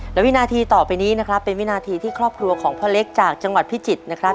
และวินาทีต่อไปนี้นะครับเป็นวินาทีที่ครอบครัวของพ่อเล็กจากจังหวัดพิจิตรนะครับ